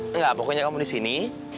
enggak pokoknya kamu disini